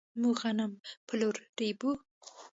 موږ غنم په لور ريبو.